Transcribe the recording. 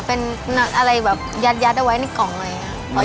เป็นอะไรแบบยัดเอาไว้ในกล่องอะไรอย่างนี้